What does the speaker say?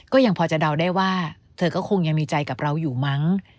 ก็ยังพอจะเดาได้ว่าเธอก็คงยังมีใจกับเราอยู่มั้ง